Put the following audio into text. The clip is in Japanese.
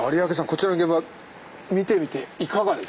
こちらの現場見てみていかがですか？